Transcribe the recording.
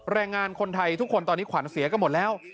แรงงานคนไทยทุกคนตอนนี้ขวัญเสียกันหมดแล้ว